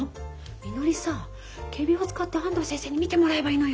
みのりさ仮病使って安藤先生に診てもらえばいいのよ。